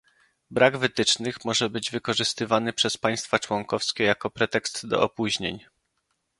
Brak wytycznych może być wykorzystywany przez państwa członkowskie jako pretekst do opóźnień